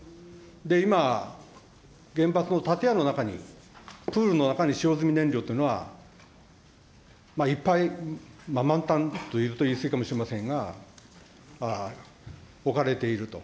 今、原発の建屋の中に、プールの中に、使用済み燃料というのはいっぱい満タンというと言い過ぎかもしれませんが、置かれていると。